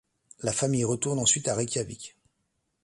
La famille retourne ensuite à Reykjavik.